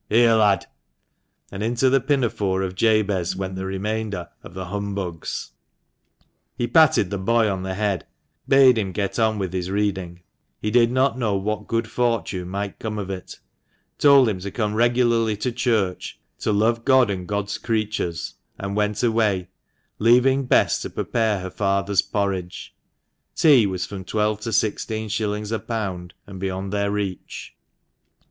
Here, lad," and into the pinafore of Jabez went the remainder of the "humbugs." He patted the boy on the head, bade him get on with his reading, he did not know what good fortune might come of it, told him to come regularly to church, to love God and God's creatures, and went away, leaving Bess to prepare her father's porridge (tea was from twelve to sixteen shillings a pound, and beyond their reach).